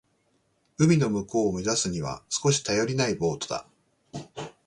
海の向こうを目指すには少し頼りないボートだ。